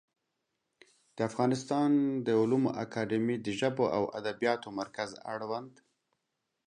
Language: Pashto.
د افغانستان د علومو اکاډمي د ژبو او ادبیاتو مرکز اړوند